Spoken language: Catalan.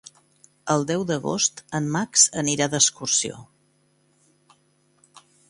El deu d'agost en Max anirà d'excursió.